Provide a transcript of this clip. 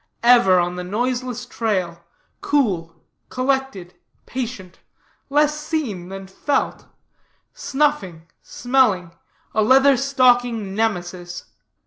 Ever on the noiseless trail; cool, collected, patient; less seen than felt; snuffing, smelling a Leather stocking Nemesis.